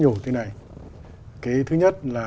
như thế này cái thứ nhất là